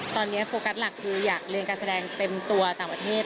ตอนนี้โฟกัสหลักคืออยากเรียนการแสดงเต็มตัวต่างประเทศ